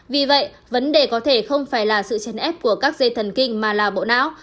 vì vậy vấn đề có thể không phải là sự chèn ép của các dây thần kinh mà là bộ não